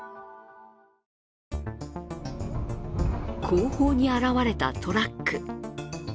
後方に現れたトラック。